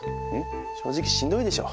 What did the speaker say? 正直しんどいでしょ。